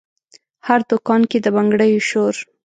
هر دکان کې د بنګړیو شور،